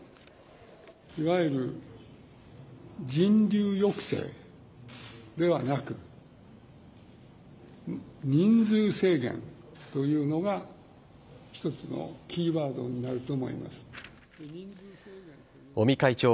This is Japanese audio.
いわゆる人流抑制ではなく、人数制限というのが、一つのキーワードになると思います。